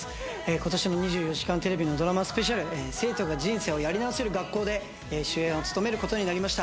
今年の『２４時間テレビ』ドラマスペシャル、『生徒が人生をやり直せる学校』で主演を務めることになりました。